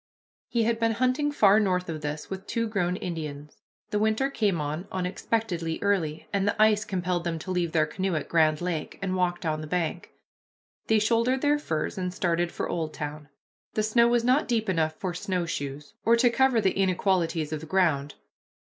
He had been hunting far north of this with two grown Indians. The winter came on unexpectedly early, and the ice compelled them to leave their canoe at Grand Lake, and walk down the bank. They shouldered their furs and started for Oldtown. The snow was not deep enough for snowshoes, or to cover the inequalities of the ground.